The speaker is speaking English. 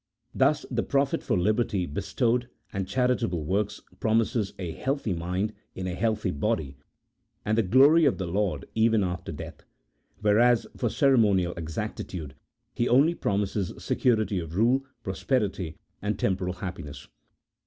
Thus the prophet for liberty bestowed, and charitable works, promises a healthy mind in a healthy body, and the glory of the Lord even after death ; whereas, for ceremonial exactitude, he only promises security of rule, prosperity, and temporal happiness.